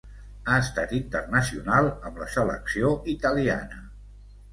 Ha estat internacional amb la selecció italiana.